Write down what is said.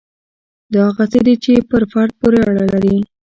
دا هغه څه دي چې پر فرد پورې اړه لري.